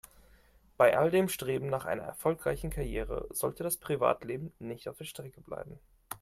Bei all dem Streben nach einer erfolgreichen Karriere sollte das Privatleben nicht auf der Strecke bleiben.